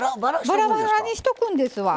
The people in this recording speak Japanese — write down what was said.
バラバラにしとくんですわ。